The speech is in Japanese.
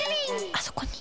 あそこに。